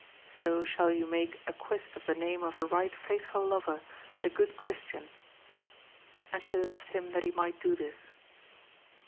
So shall you make acquist of the name of a right faithful lover and a good Christian." And she left him that he might do this.